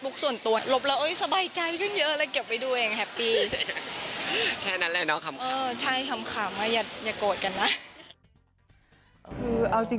คือเอาจริง